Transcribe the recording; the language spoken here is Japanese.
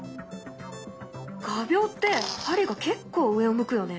画びょうって針が結構上を向くよね。